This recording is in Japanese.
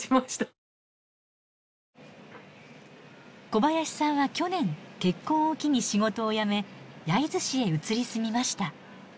小林さんは去年結婚を機に仕事を辞め焼津市へ移り住みました。